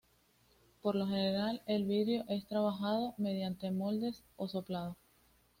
Por lo general el vidrio es trabajado mediante moldes o soplado.